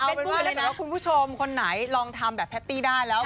เอาเป็นว่าถ้าเกิดว่าคุณผู้ชมคนไหนลองทำแบบแพตตี้ได้แล้ว